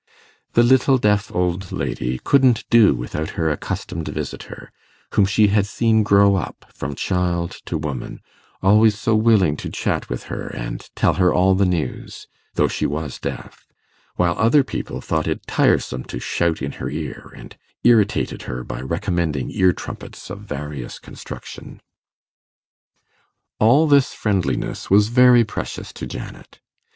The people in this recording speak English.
The little deaf old lady couldn't do without her accustomed visitor, whom she had seen grow up from child to woman, always so willing to chat with her and tell her all the news, though she was deaf; while other people thought it tiresome to shout in her ear, and irritated her by recommending ear trumpets of various construction. All this friendliness was very precious to Janet.